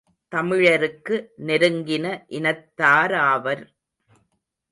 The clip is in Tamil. தமிழருக்கு நெருங்கின இனத்தாராவர்